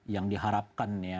yang diharapkan ya